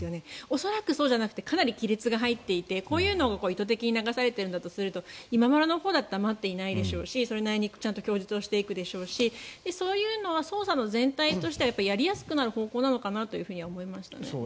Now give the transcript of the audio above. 恐らくそうじゃなくてかなり規律が入っていて意図的にこういうのが流されたんだとすると今村のほうだって黙ってないでしょうしそれなりにちゃんと供述していくだろうしそういうのは捜査全体としてやりやすくなるのかなと思いますね。